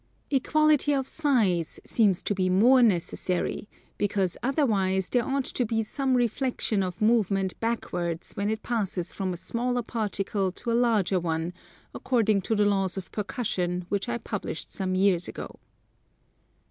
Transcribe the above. Equality of size seems to be more necessary, because otherwise there ought to be some reflexion of movement backwards when it passes from a smaller particle to a larger one, according to the Laws of Percussion which I published some years ago.